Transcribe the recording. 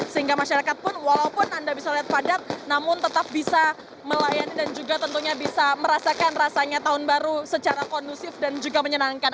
sehingga masyarakat pun walaupun anda bisa lihat padat namun tetap bisa melayani dan juga tentunya bisa merasakan rasanya tahun baru secara kondusif dan juga menyenangkan